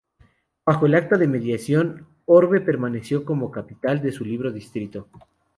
Bajo el acta de mediación, Orbe permaneció como capital de su propio distrito.